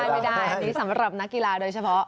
ไม่ได้สำหรับนักกีฬาโดยเฉพาะ